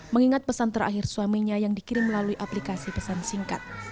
mengingat pesan terakhir suaminya yang dikirim melalui aplikasi pesan singkat